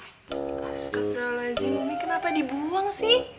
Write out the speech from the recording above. astagfirullahaladzim umi kenapa dibuang sih